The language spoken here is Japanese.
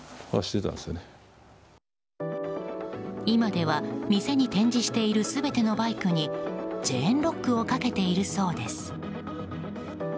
今では、店に展示している全てのバイクにチェーンロックをかけているそうです。